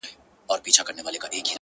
په دومره سپینو کي عجیبه انتخاب کوي ـ